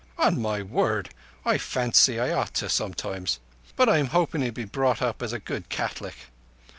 "On my word, I fancy I ought to sometimes. But I'm hoping he'll be brought up as a good Catholic.